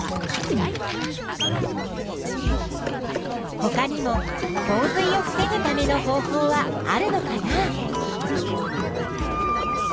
ほかにも洪水を防ぐための方法はあるのかな？